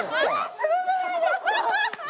すごくないですか？